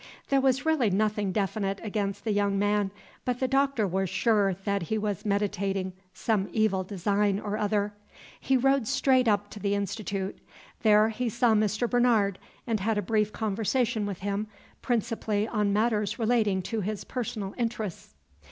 There was really nothing definite against this young man; but the Doctor was sure that he was meditating some evil design or other. He rode straight up to the Institute. There he saw Mr. Bernard, and had a brief conversation with him, principally on matters relating to his personal interests.